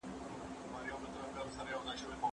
اسلام د اقتصاد یو متوازن نظام وړاندې کړی دی.